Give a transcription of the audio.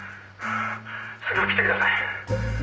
「すぐ来てください！」